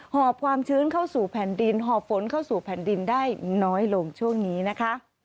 อบความชื้นเข้าสู่แผ่นดินหอบฝนเข้าสู่แผ่นดินได้น้อยลงช่วงนี้นะคะ